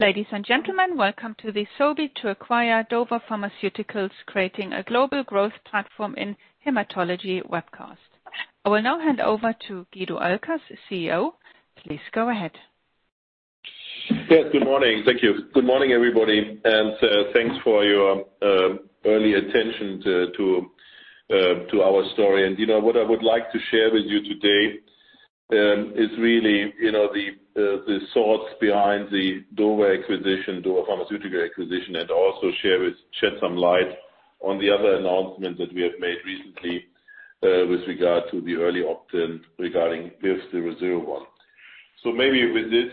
Ladies and gentlemen, welcome to the Sobi Acquire Dova Pharmaceuticals Creating a Global Growth Platform in Hematology webcast. I will now hand over to Guido Oelkers, CEO. Please go ahead. Yes, good morning. Thank you. Good morning, everybody, and thanks for your early attention to our story. And what I would like to share with you today is really the thoughts behind the Dova acquisition, Dova Pharmaceuticals acquisition, and also shed some light on the other announcements that we have made recently with regard to the early opt-in regarding the BIVV001, so maybe with this,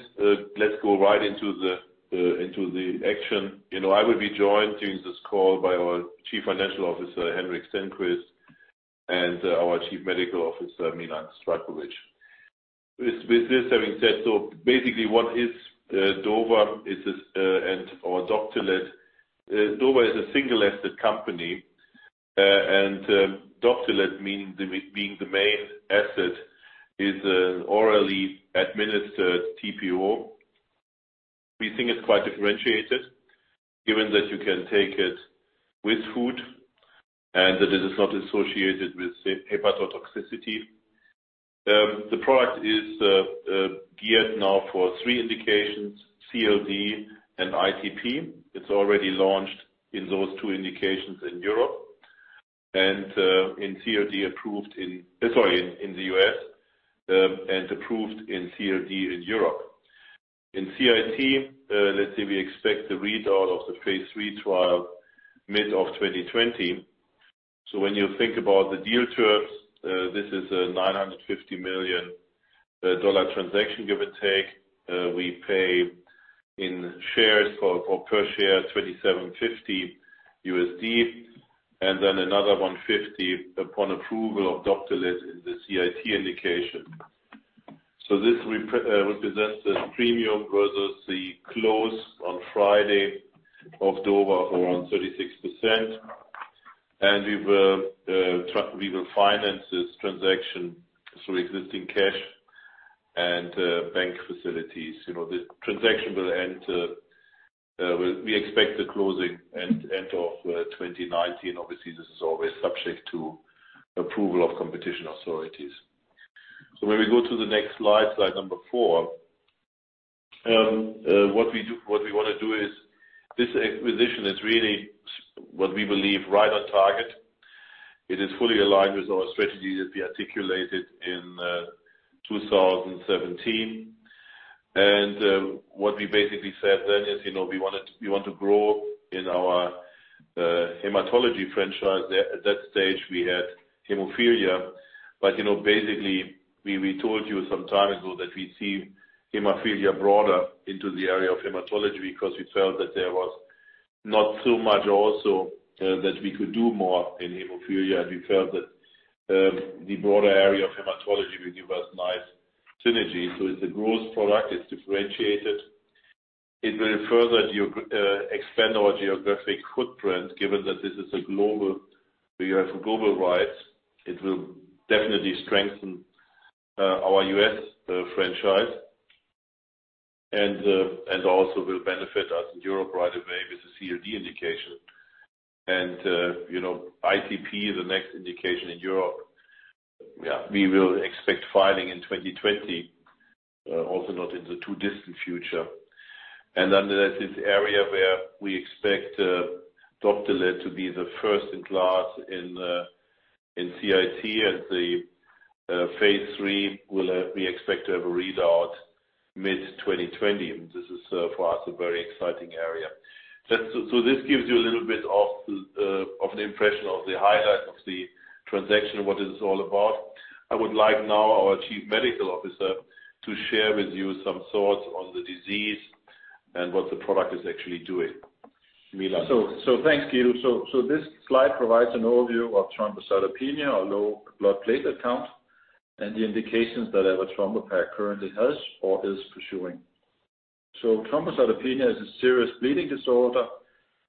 let's go right into the action. I will be joined during this call by our Chief Financial Officer, Henrik Stenqvist, and our Chief Medical Officer, Milan Zdravkovic. With this having said, so basically, what is Dova? And our DOPTELET, Dova is a single-asset company. And DOPTELET, meaning being the main asset, is an orally administered TPO. We think it's quite differentiated, given that you can take it with food and that it is not associated with hepatotoxicity. The product is geared now for three indications: CLD and ITP. It's already launched in those two indications in Europe and in CLD approved in, sorry, in the US and approved in CLD in Europe. In CIT, let's say we expect the readout of the phase 3 trial mid-2020, so when you think about the deal terms, this is a $950 million transaction, give or take. We pay in shares for per share, $2.75, and then another $150 million upon approval of DOPTELET in the CIT indication, so this represents the premium versus the close on Friday of Dova, around 36%, and we will finance this transaction through existing cash and bank facilities. The transaction will end, we expect the closing end of 2019. Obviously, this is always subject to approval of competition authorities. So, when we go to the next slide, slide number four, what we want to do is this acquisition is really what we believe right on target. It is fully aligned with our strategy that we articulated in 2017. And what we basically said then is we want to grow in our hematology franchise. At that stage, we had hemophilia. But basically, we told you some time ago that we see hemophilia broader into the area of hematology because we felt that there was not so much also that we could do more in hemophilia. And we felt that the broader area of hematology will give us nice synergy. So it's a growth product. It's differentiated. It will further expand our geographic footprint, given that this is a global, we have global rights. It will definitely strengthen our U.S. franchise and also will benefit us in Europe right away with the CLD indication, and ITP is the next indication in Europe. Yeah, we will expect filing in 2020, also not in the too distant future, and then there's this area where we expect DOPTELET to be the first in class in CIT, and the phase three we expect to have a readout mid-2020. This is, for us, a very exciting area, so this gives you a little bit of an impression of the highlight of the transaction, what it is all about. I would like now our Chief Medical Officer to share with you some thoughts on the disease and what the product is actually doing. Milan. Thanks, Guido. This slide provides an overview of thrombocytopenia, a low blood platelet count, and the indications that avatrombopag currently has or is pursuing. Thrombocytopenia is a serious bleeding disorder,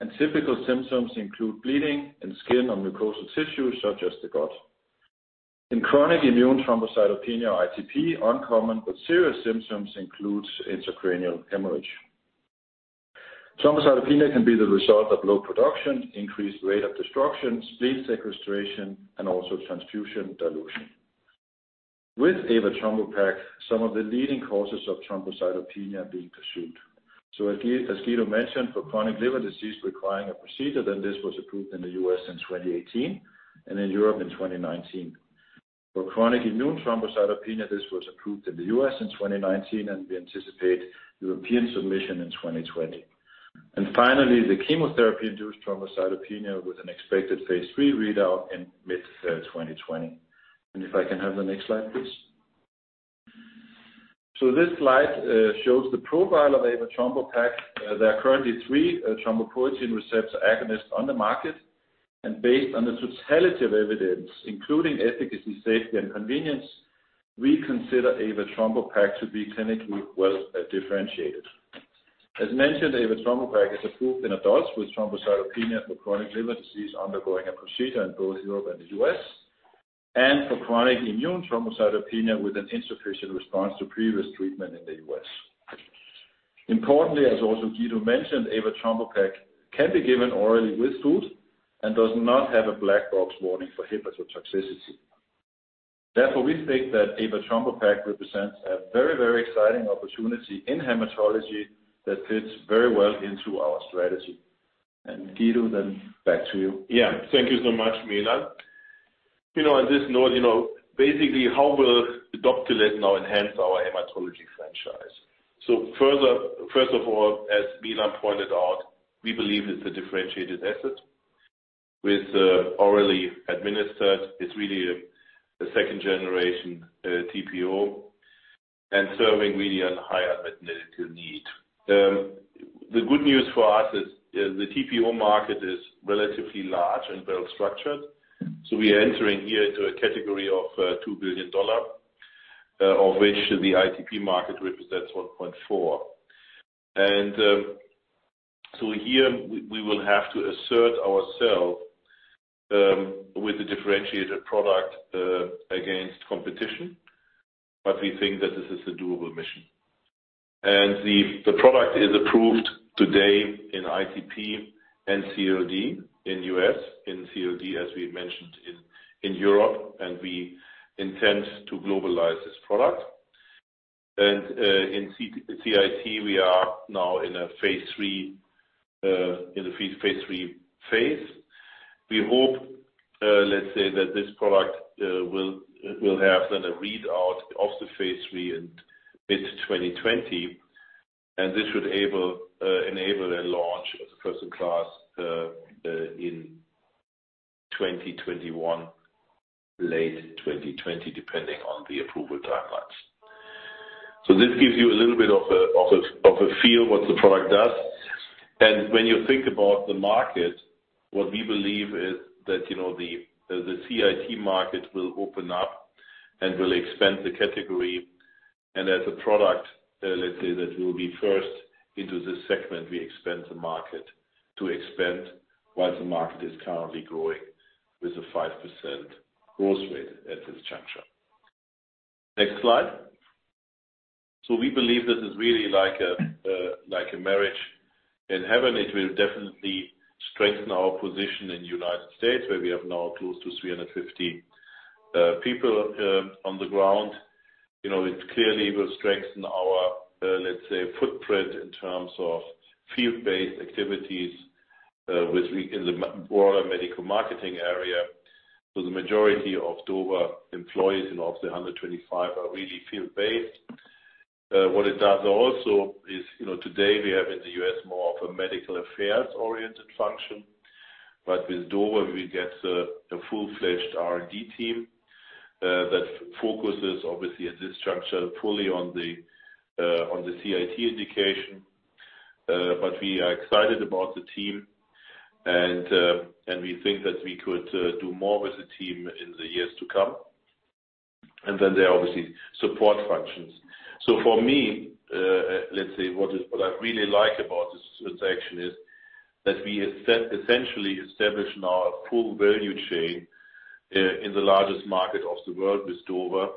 and typical symptoms include bleeding in skin or mucosal tissue such as the gut. In chronic immune thrombocytopenia, or ITP, uncommon but serious symptoms include intracranial hemorrhage. Thrombocytopenia can be the result of low production, increased rate of destruction, spleen sequestration, and also transfusion dilution. With avatrombopag, some of the leading causes of thrombocytopenia are being pursued. As Guido mentioned, for chronic liver disease requiring a procedure, then this was approved in the U.S. in 2018 and in Europe in 2019. For chronic immune thrombocytopenia, this was approved in the U.S. in 2019, and we anticipate European submission in 2020. Finally, the chemotherapy-induced thrombocytopenia with an expected phase 3 readout in mid 2020. And if I can have the next slide, please. So this slide shows the profile of avatrombopag. There are currently three thrombopoietin receptor agonists on the market. And based on the totality of evidence, including efficacy, safety, and convenience, we consider avatrombopag to be clinically well differentiated. As mentioned, avatrombopag is approved in adults with thrombocytopenia for chronic liver disease undergoing a procedure in both Europe and the US, and for chronic immune thrombocytopenia with an insufficient response to previous treatment in the US. Importantly, as also Guido mentioned, avatrombopag can be given orally with food and does not have a black box warning for hepatotoxicity. Therefore, we think that avatrombopag represents a very, very exciting opportunity in hematology that fits very well into our strategy. And Guido, then back to you. Yeah, thank you so much, Milan. On this note, basically, how will the DOPTELET now enhance our hematology franchise? So first of all, as Milan pointed out, we believe it's a differentiated asset with orally administered. It's really a second-generation TPO and serving really on high unmet medical need. The good news for us is the TPO market is relatively large and well structured. So we are entering here into a category of $2 billion, of which the ITP market represents $1.4 billion. And so here, we will have to assert ourselves with a differentiated product against competition, but we think that this is a doable mission. And the product is approved today in ITP and CLD in U.S., in CLD, as we mentioned, in Europe, and we intend to globalize this product. And in CIT, we are now in a phase 3. We hope, let's say, that this product will have then a readout of the phase 3 in mid 2020, and this should enable a launch as a first-in-class in 2021, late 2020, depending on the approval timelines, so this gives you a little bit of a feel of what the product does, and when you think about the market, what we believe is that the CIT market will open up and will expand the category, and as a product, let's say, that will be first into this segment, we expand the market to expand while the market is currently growing with a 5% growth rate at this juncture. Next slide, so we believe this is really like a marriage in heaven. It will definitely strengthen our position in the United States, where we have now close to 350 people on the ground. It clearly will strengthen our, let's say, footprint in terms of field-based activities in the broader medical marketing area. So the majority of Dova employees of the 125 are really field-based. What it does also is today, we have in the U.S. more of a medical affairs-oriented function. But with Dova, we get a full-fledged R&D team that focuses, obviously, at this juncture fully on the CIT indication. But we are excited about the team, and we think that we could do more with the team in the years to come. And then there are obviously support functions. So for me, let's say, what I really like about this transaction is that we essentially establish now a full value chain in the largest market of the world with Dova.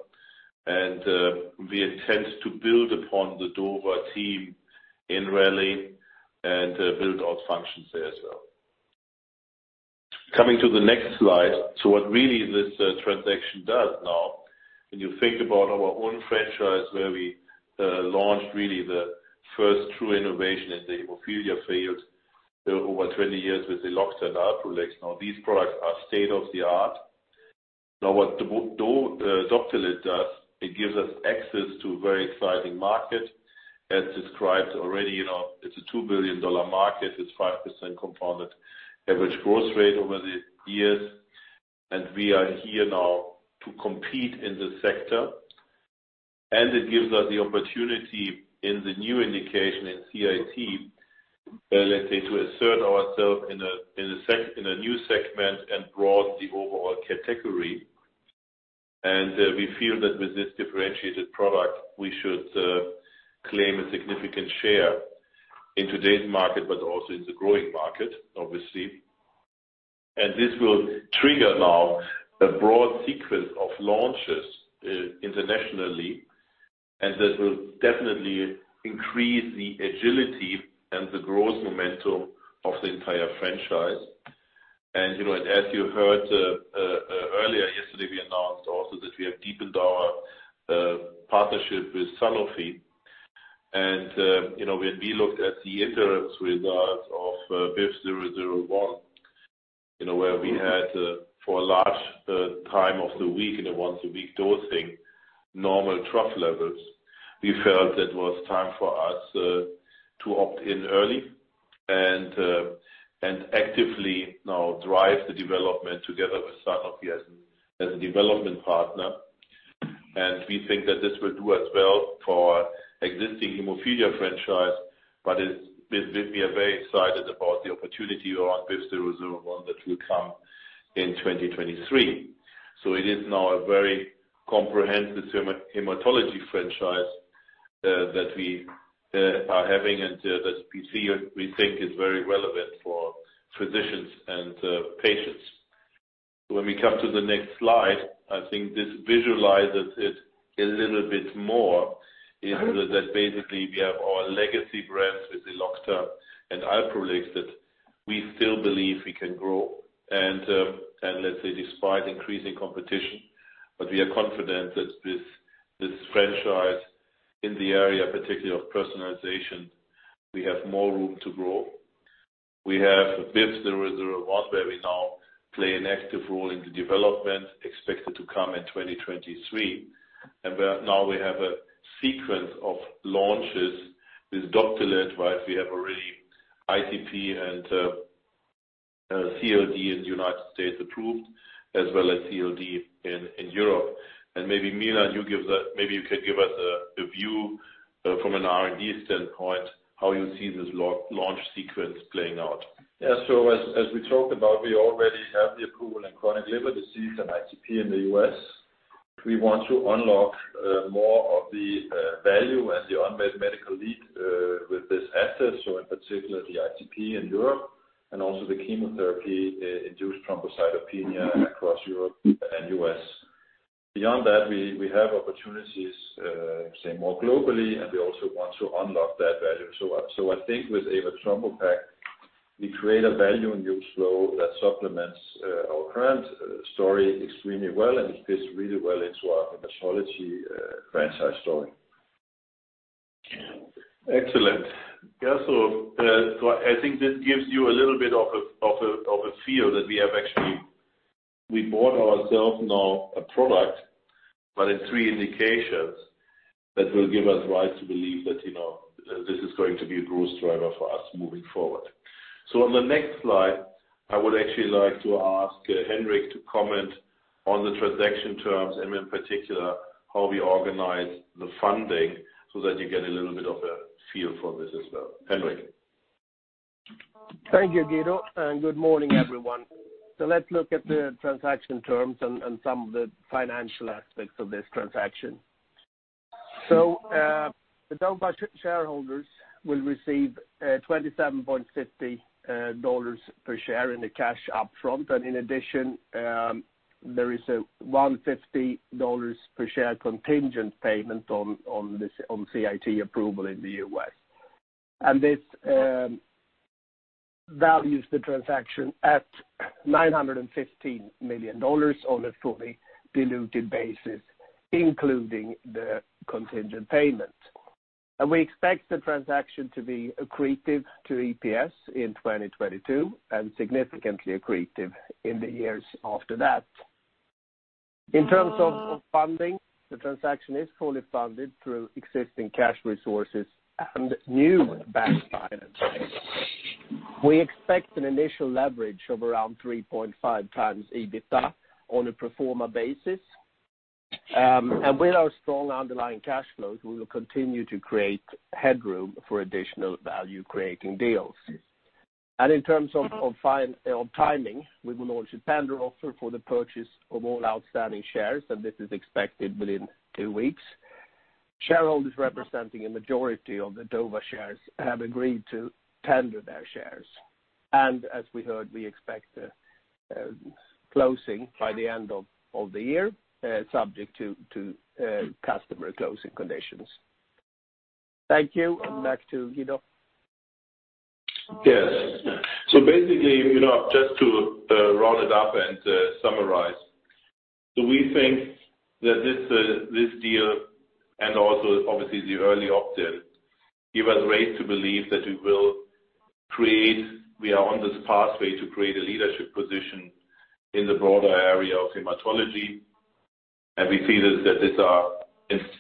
And we intend to build upon the Dova team in Raleigh and build out functions there as well. Coming to the next slide, so what really this transaction does now, when you think about our own franchise where we launched really the first true innovation in the hemophilia field over 20 years with the Elocta and Alprolix, now these products are state-of-the-art. Now, what the DOPTELET does, it gives us access to a very exciting market. As described already, it's a $2 billion market with 5% compounded average growth rate over the years, and we are here now to compete in the sector, and it gives us the opportunity in the new indication in CIT, let's say, to assert ourselves in a new segment and broaden the overall category, and we feel that with this differentiated product, we should claim a significant share in today's market, but also in the growing market, obviously. And this will trigger now a broad sequence of launches internationally, and this will definitely increase the agility and the growth momentum of the entire franchise. And as you heard earlier, yesterday, we announced also that we have deepened our partnership with Sanofi. And when we looked at the interim results of BIVV001, where we had for a large time of the week in a once-a-week dosing, normal trough levels, we felt it was time for us to opt in early and actively now drive the development together with Sanofi as a development partner. And we think that this will do as well for existing hemophilia franchise, but we are very excited about the opportunity around BIVV001 that will come in 2023. So it is now a very comprehensive hematology franchise that we are having and that we think is very relevant for physicians and patients. When we come to the next slide, I think this visualizes it a little bit more in that basically we have our legacy brands with the Elocta and Alprolix that we still believe we can grow. And let's say, despite increasing competition, but we are confident that this franchise in the area, particularly of personalization, we have more room to grow. We have BIVV001, where we now play an active role in the development, expected to come in 2023. And now we have a sequence of launches with DOPTELET, right? We have already ITP and CLD in the United States approved, as well as CLD in Europe. And maybe, Milan, you can give us a view from an R&D standpoint, how you see this launch sequence playing out. Yeah. So as we talked about, we already have the approval in chronic liver disease and ITP in the U.S. We want to unlock more of the value and the unmet medical need with this asset, so in particular, the ITP in Europe and also the chemotherapy-induced thrombocytopenia across Europe and U.S. Beyond that, we have opportunities, say, more globally, and we also want to unlock that value. So I think with avatrombopag, we create a value and use flow that supplements our current story extremely well and fits really well into our hematology franchise story. Excellent. Yeah. So I think this gives you a little bit of a feel that we have actually brought ourselves now a product, but in three indications that will give us rights to believe that this is going to be a growth driver for us moving forward. So on the next slide, I would actually like to ask Henrik to comment on the transaction terms and, in particular, how we organize the funding so that you get a little bit of a feel for this as well. Henrik. Thank you, Guido, and good morning, everyone. Let's look at the transaction terms and some of the financial aspects of this transaction. The Dova shareholders will receive $27.50 per share in cash upfront. In addition, there is a $150 per share contingent payment on CIT approval in the U.S. This values the transaction at $915 million on a fully diluted basis, including the contingent payment. We expect the transaction to be accretive to EPS in 2022 and significantly accretive in the years after that. In terms of funding, the transaction is fully funded through existing cash resources and new bank financing. We expect an initial leverage of around 3.5 times EBITDA on a pro forma basis. With our strong underlying cash flows, we will continue to create headroom for additional value-creating deals. In terms of timing, we will launch a tender offer for the purchase of all outstanding shares, and this is expected within two weeks. Shareholders representing a majority of the Dova shares have agreed to tender their shares. As we heard, we expect closing by the end of the year, subject to customary closing conditions. Thank you. Back to Guido. Yes. So basically, just to round it up and summarize, so we think that this deal and also, obviously, the early opt-in give us reason to believe that we are on this pathway to create a leadership position in the broader area of hematology. And we see that these are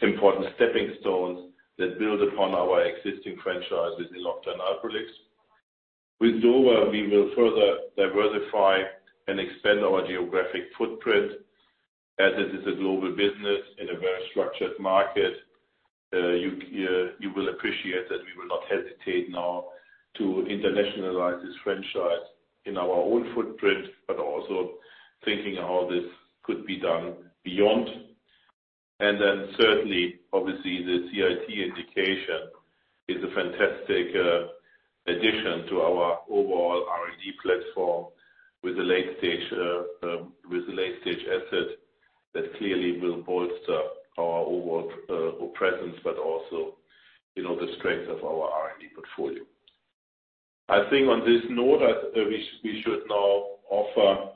important stepping stones that build upon our existing franchise within Elocta and Alprolix. With Dova, we will further diversify and expand our geographic footprint as it is a global business in a very structured market. You will appreciate that we will not hesitate now to internationalize this franchise in our own footprint, but also thinking how this could be done beyond. And then certainly, obviously, the CIT indication is a fantastic addition to our overall R&D platform with the late-stage asset that clearly will bolster our overall presence, but also the strength of our R&D portfolio. I think on this note, we should now offer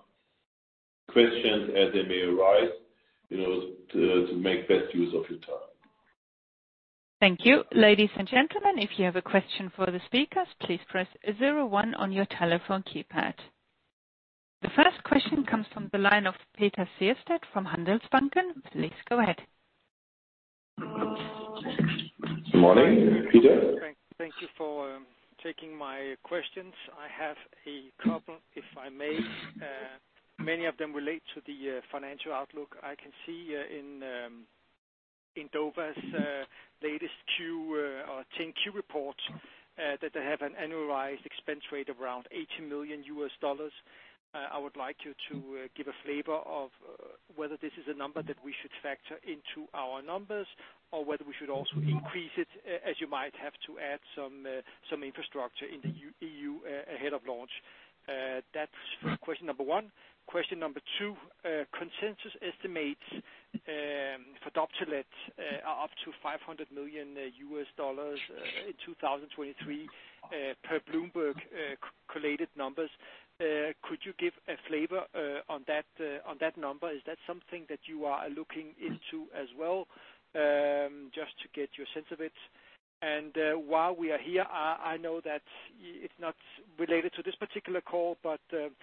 questions as they may arise to make best use of your time. Thank you. Ladies and gentlemen, if you have a question for the speakers, please press 01 on your telephone keypad. The first question comes from the line of Peter Seested from Handelsbanken. Please go ahead. Good morning, Peter. Thank you for taking my questions. I have a couple, if I may. Many of them relate to the financial outlook. I can see in Dova's latest 10-Q report that they have an annualized expense rate of around $80 million. I would like you to give a flavor of whether this is a number that we should factor into our numbers or whether we should also increase it, as you might have to add some infrastructure in the EU ahead of launch. That's question number one. Question number two, consensus estimates for DOPTELET are up to $500 million in 2023 per Bloomberg collated numbers. Could you give a flavor on that number? Is that something that you are looking into as well, just to get your sense of it? While we are here, I know that it's not related to this particular call, but could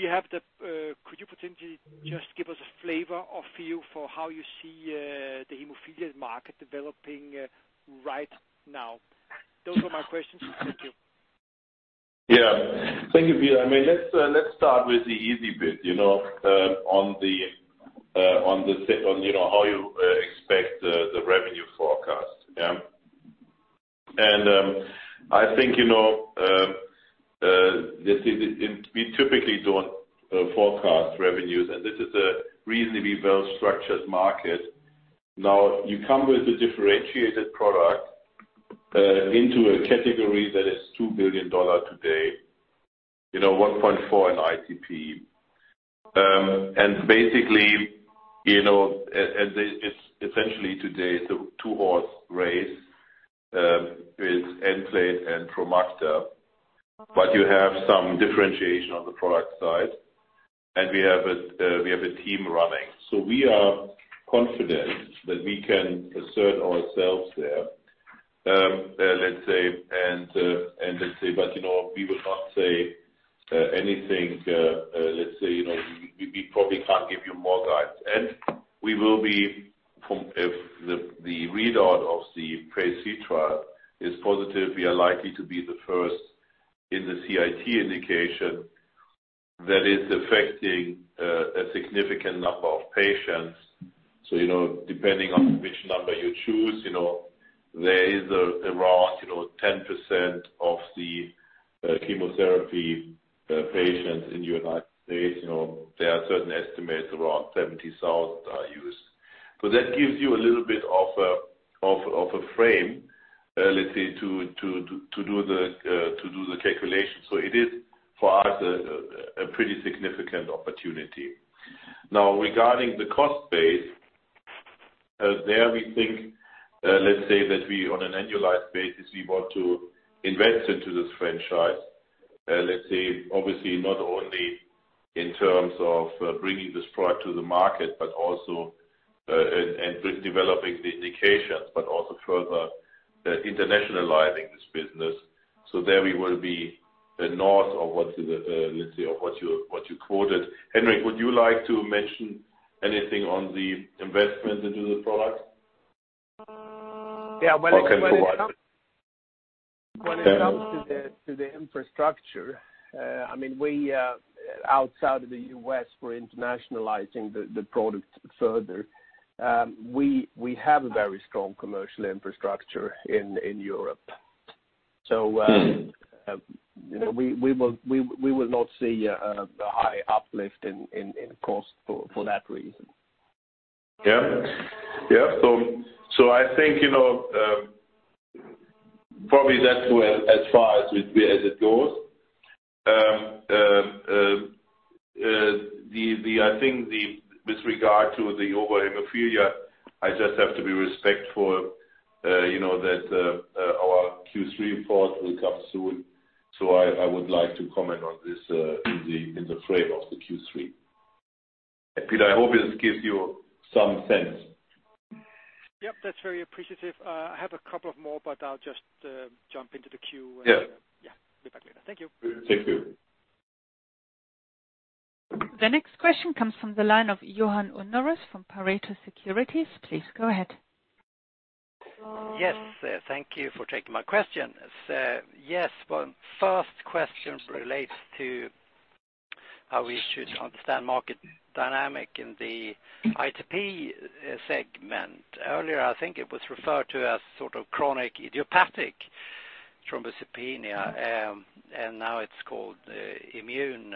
you potentially just give us a flavor or feel for how you see the hemophilia market developing right now? Those were my questions. Thank you. Yeah. Thank you, Peter. I mean, let's start with the easy bit on the setup on how you expect the revenue forecast, yeah? And I think we typically don't forecast revenues, and this is a reasonably well-structured market. Now, you come with a differentiated product into a category that is $2 billion today, $1.4 billion in ITP. And basically, essentially today, it's a two-horse race with Nplate and PROMACTA, but you have some differentiation on the product side. And we have a team running. So we are confident that we can assert ourselves there, let's say. And let's say, but we will not say anything, let's say, we probably can't give you more guidance. And we will be, if the readout of the Phase 3 trial is positive, we are likely to be the first in the CIT indication that is affecting a significant number of patients. Depending on which number you choose, there is around 10% of the chemotherapy patients in the United States. There are certain estimates around 70,000 that are used. That gives you a little bit of a frame, let's say, to do the calculation. It is, for us, a pretty significant opportunity. Now, regarding the cost base, there we think, let's say, that on an annualized basis, we want to invest into this franchise, let's say, obviously, not only in terms of bringing this product to the market, but also in developing the indications, but also further internationalizing this business. There we will be north of what you, let's say, quoted. Henrik, would you like to mention anything on the investment into the product? Yeah. When it comes to the infrastructure, I mean, outside of the US for internationalizing the product further, we have a very strong commercial infrastructure in Europe. So we will not see a high uplift in cost for that reason. Yeah. Yeah, so I think probably that's as far as it goes. I think with regard to the overall hemophilia, I just have to be respectful that our Q3 report will come soon, so I would like to comment on this in the frame of the Q3. Peter, I hope this gives you some sense. Yep. That's very appreciative. I have a couple of more, but I'll just jump into the Q. Yeah. Yeah. Be back later. Thank you. Thank you. The next question comes from the line of Johan Unnérus from Pareto Securities. Please go ahead. Yes. Thank you for taking my question. Yes. Well, first question relates to how we should understand market dynamic in the ITP segment. Earlier, I think it was referred to as sort of chronic idiopathic thrombocytopenia, and now it's called immune.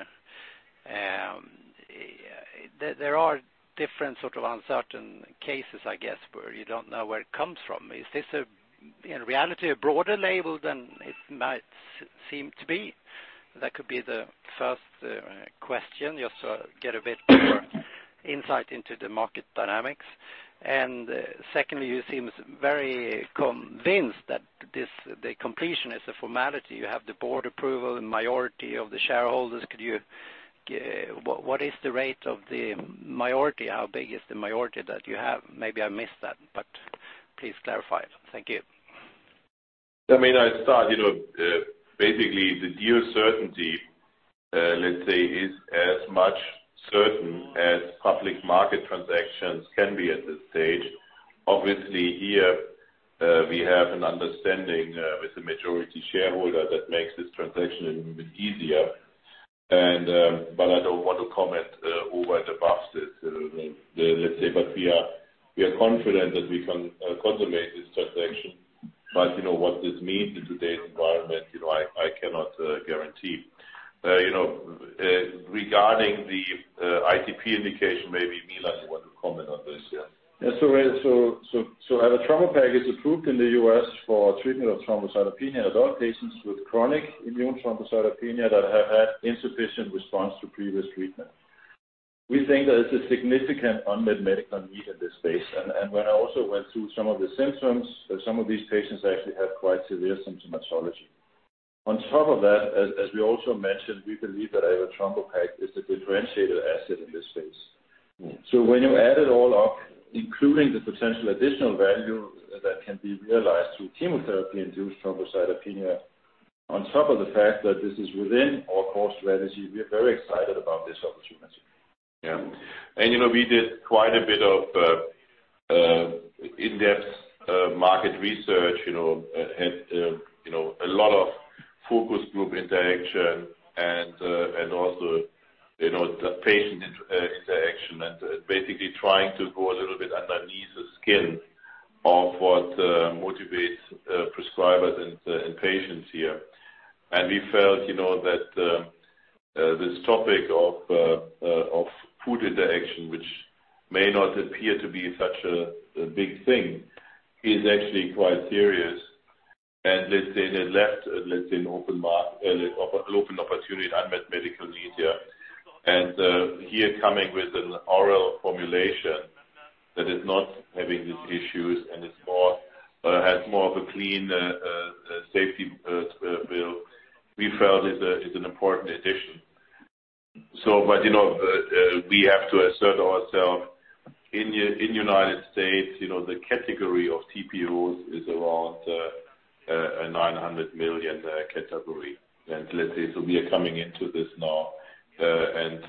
There are different sort of uncertain cases, I guess, where you don't know where it comes from. Is this in reality a broader label than it might seem to be? That could be the first question, just to get a bit more insight into the market dynamics. And secondly, you seem very convinced that the completion is a formality. You have the board approval, the majority of the shareholders. What is the rate of the majority? How big is the majority that you have? Maybe I missed that, but please clarify it. Thank you. I mean, I started off basically the deal certainty, let's say, is as much certain as public market transactions can be at this stage. Obviously, here we have an understanding with the majority shareholder that makes this transaction a little bit easier. But I don't want to comment over and above this, let's say, but we are confident that we can consummate this transaction. But what this means in today's environment, I cannot guarantee. Regarding the ITP indication, maybe Milan would want to comment on this. Yeah, so avatrombopag is approved in the U.S. for treatment of thrombocytopenia in adult patients with chronic immune thrombocytopenia that have had insufficient response to previous treatment. We think there is a significant unmet medical need in this space, and when I also went through some of the symptoms, some of these patients actually have quite severe symptomatology. On top of that, as we also mentioned, we believe that avatrombopag is a differentiated asset in this space. So when you add it all up, including the potential additional value that can be realized through chemotherapy-induced thrombocytopenia, on top of the fact that this is within our core strategy, we are very excited about this opportunity. Yeah. And we did quite a bit of in-depth market research, had a lot of focus group interaction, and also patient interaction, and basically trying to go a little bit underneath the skin of what motivates prescribers and patients here. And we felt that this topic of food interaction, which may not appear to be such a big thing, is actually quite serious. And let's say it left an open opportunity in unmet medical need here. And here, coming with an oral formulation that is not having these issues and has more of a clean safety bill, we felt is an important addition. But we have to assert ourselves. In the United States, the category of TPOs is around a $900 million category. And let's say, so we are coming into this now, and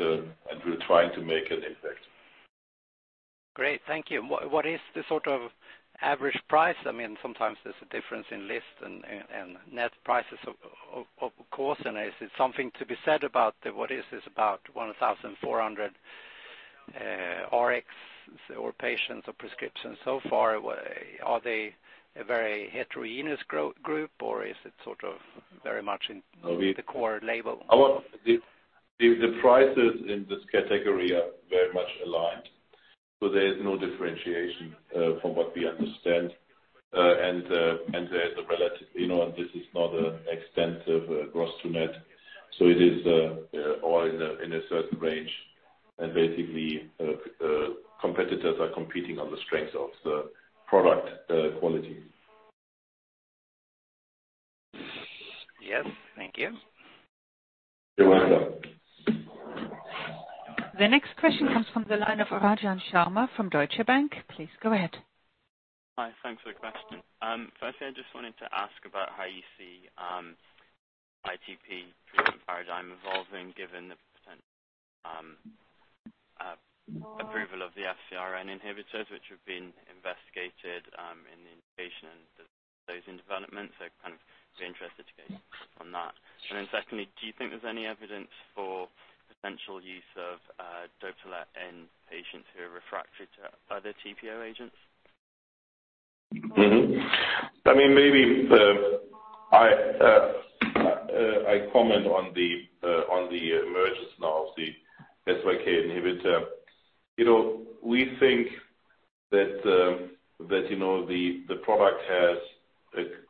we're trying to make an impact. Great. Thank you. What is the sort of average price? I mean, sometimes there's a difference in list and net prices, of course, and is it something to be said about what is this about 1,400 Rx or patients or prescriptions so far? Are they a very heterogeneous group, or is it sort of very much the core label? I mean, the prices in this category are very much aligned. So there is no differentiation from what we understand. And there is a relative, and this is not an extensive gross-to-net. So it is all in a certain range. And basically, competitors are competing on the strength of the product quality. Yes. Thank you. You're welcome. The next question comes from the line of Rajan Sharma from Deutsche Bank. Please go ahead. Hi. Thanks for the question. Firstly, I just wanted to ask about how you see ITP treatment paradigm evolving given the approval of the FcRn inhibitors, which have been investigated in the indication and those in development? So kind of be interested to get your thoughts on that. And then secondly, do you think there's any evidence for potential use of DOPTELET in patients who are refractory to other TPO agents? I mean, maybe I comment on the emergence now of the SYK inhibitor. We think that the product has,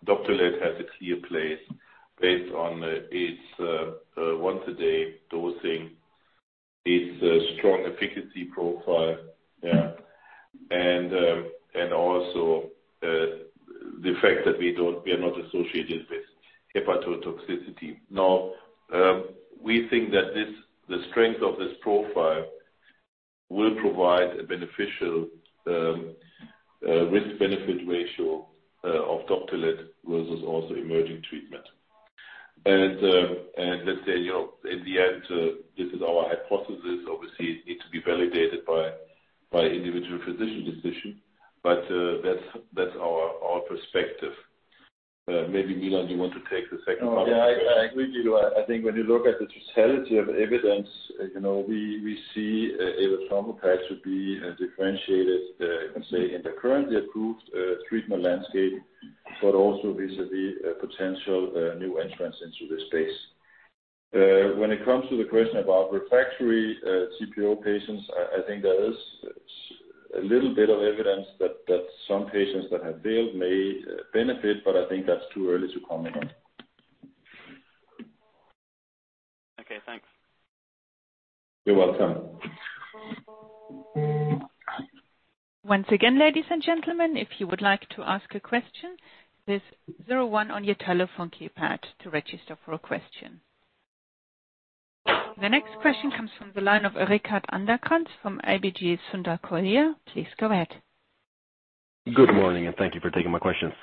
DOPTELET has a clear place based on its once-a-day dosing, its strong efficacy profile, yeah, and also the fact that we are not associated with hepatotoxicity. Now, we think that the strength of this profile will provide a beneficial risk-benefit ratio of DOPTELET versus also emerging treatment. And let's say, in the end, this is our hypothesis. Obviously, it needs to be validated by individual physician decision, but that's our perspective. Maybe Milan, you want to take the second part of the question? Yeah. I agree with you. I think when you look at the totality of evidence, we see avatrombopag to be differentiated, let's say, in the currently approved treatment landscape, but also vis-à-vis potential new entrants into this space. When it comes to the question about refractory TPO patients, I think there is a little bit of evidence that some patients that have failed may benefit, but I think that's too early to comment on. Okay. Thanks. You're welcome. Once again, ladies and gentlemen, if you would like to ask a question, there's 1 on your telephone keypad to register for a question. The next question comes from the line of Rickard Anderkrans from ABG Sundal Collier. Please go ahead. Good morning, and thank you for taking my questions.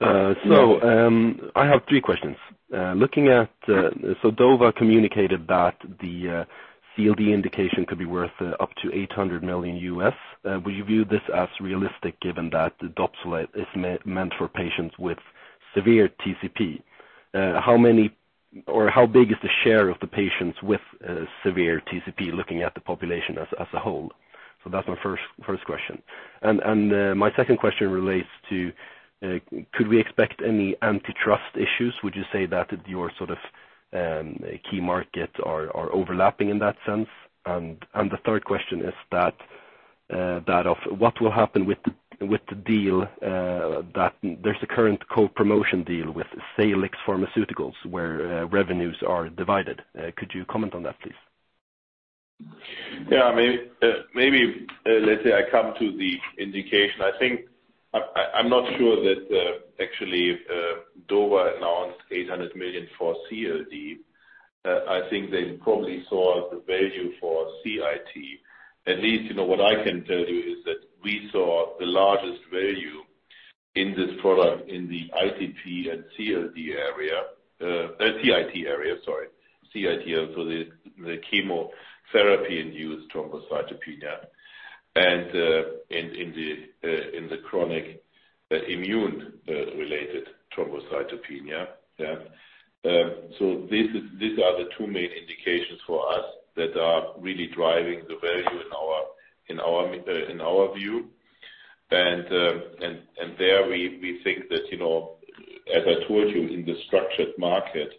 So I have three questions. Dova communicated that the CLD indication could be worth up to $800 million. Would you view this as realistic given that DOPTELET is meant for patients with severe TCP? How many or how big is the share of the patients with severe TCP looking at the population as a whole? So that's my first question. And my second question relates to, could we expect any antitrust issues? Would you say that your sort of key markets are overlapping in that sense? And the third question is that of what will happen with the deal that there's a current co-promotion deal with Salix Pharmaceuticals where revenues are divided? Could you comment on that, please? Yeah. I mean, maybe, let's say, I come to the indication. I think I'm not sure that actually Dova announced $800 million for CLD. I think they probably saw the value for CIT. At least what I can tell you is that we saw the largest value in this product in the ITP and CLD area—TIT area, sorry. CIT area, so the chemotherapy-induced thrombocytopenia and in the chronic immune thrombocytopenia, yeah. So these are the two main indications for us that are really driving the value in our view. And there we think that, as I told you, in the structured market,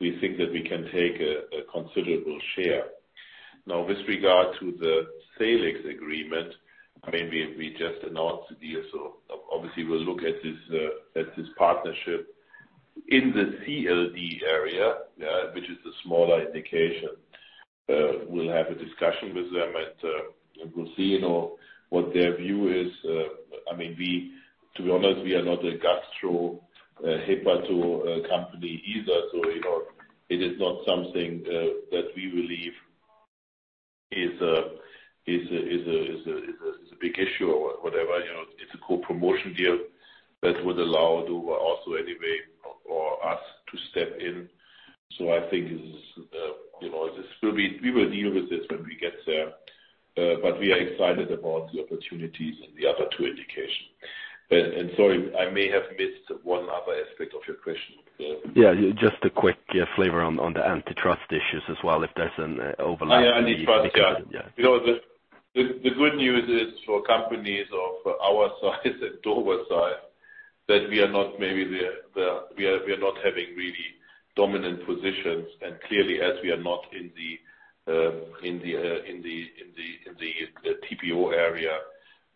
we think that we can take a considerable share. Now, with regard to the Salix agreement, I mean, we just announced the deal. So obviously, we'll look at this partnership in the CLD area, which is the smaller indication. We'll have a discussion with them, and we'll see what their view is. I mean, to be honest, we are not a gastro hepato company either. So it is not something that we believe is a big issue or whatever. It's a co-promotion deal that would allow Dova also anyway or us to step in. So I think this will be. We will deal with this when we get there. But we are excited about the opportunities in the other two indications, and sorry, I may have missed one other aspect of your question. Yeah. Just a quick flavor on the antitrust issues as well, if there's an overlap in the discussion. Yeah. Yeah. The good news is for companies of our size and Dova size that we are not maybe—we are not having really dominant positions. And clearly, as we are not in the TPO area,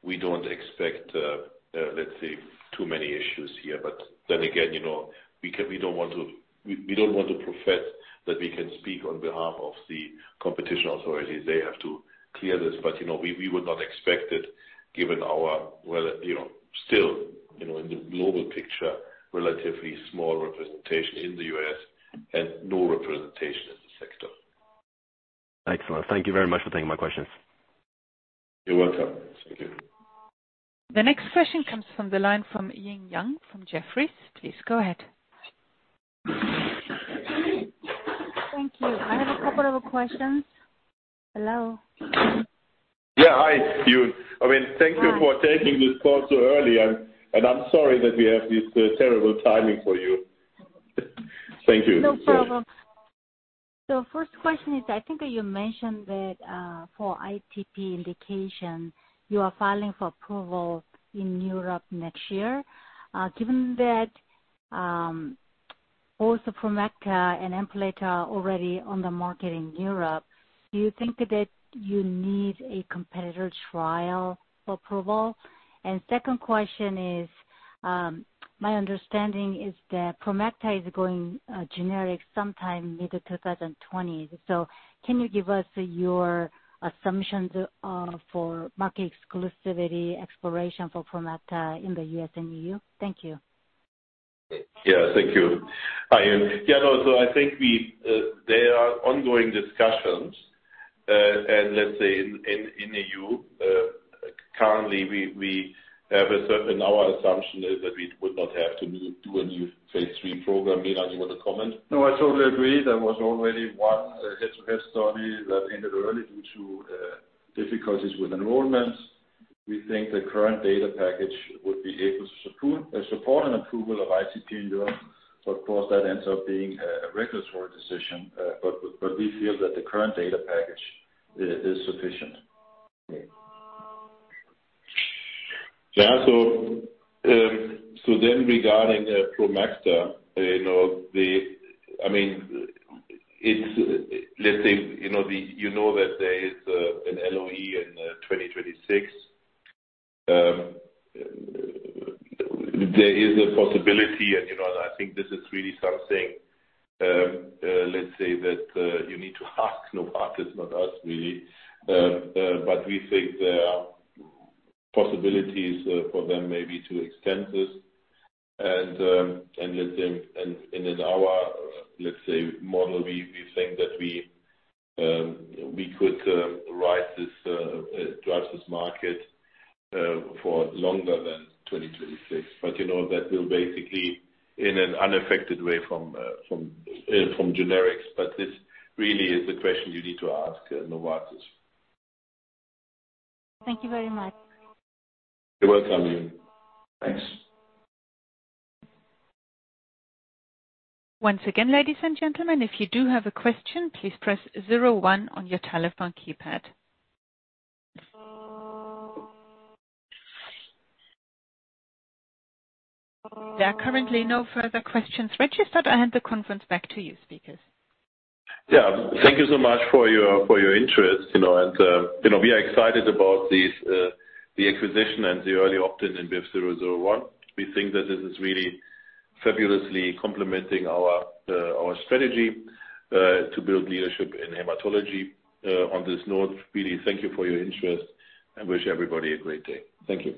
we don't expect, let's say, too many issues here. But then again, we don't want to profess that we can speak on behalf of the competition authorities. They have to clear this. But we would not expect it given our—well, still, in the global picture, relatively small representation in the U.S. and no representation in the sector. Excellent. Thank you very much for taking my questions. You're welcome. Thank you. The next question comes from the line from Eun Yang from Jefferies. Please go ahead. Thank you. I have a couple of questions. Hello. Yeah. Hi, Eun. I mean, thank you for taking this call so early. And I'm sorry that we have this terrible timing for you. Thank you. No problem. First question is, I think you mentioned that for ITP indication, you are filing for approval in Europe next year. Given that both PROMACTA and Nplate are already on the market in Europe, do you think that you need a competitor trial for approval? Second question is, my understanding is that PROMACTA is going generic sometime mid-2020. Can you give us your assumptions for market exclusivity expiration for PROMACTA in the U.S. and E.U.? Thank you. Yeah. Thank you. Hi, Eun. Yeah. No, so I think there are ongoing discussions. And let's say in EU, currently, we have a certain, our assumption is that we would not have to do a new phase three program. Milan, you want to comment? No, I totally agree. There was already one head-to-head study that ended early due to difficulties with enrollment. We think the current data package would be able to support an approval of ITP in Europe. But of course, that ends up being a regulatory decision. But we feel that the current data package is sufficient. Yeah. So then regarding PROMACTA, I mean, let's say you know that there is an LOE in 2026. There is a possibility. And I think this is really something, let's say, that you need to ask Novartis, not us, really. But we think there are possibilities for them maybe to extend this. And let's say, in our, let's say, model, we think that we could drive this market for longer than 2026. But that will basically be in an unaffected way from generics. But this really is a question you need to ask Novartis. Thank you very much. You're welcome, Eun. Thanks. Once again, ladies and gentlemen, if you do have a question, please press 01 on your telephone keypad. There are currently no further questions registered. I hand the conference back to you, speakers. Yeah. Thank you so much for your interest. And we are excited about the acquisition and the early opt-in in BIVV001. We think that this is really fabulously complementing our strategy to build leadership in hematology. On this note, really, thank you for your interest. And wish everybody a great day. Thank you.